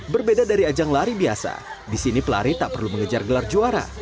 berbeda dari ajang lari biasa di sini pelari tak perlu mengejar gelar juara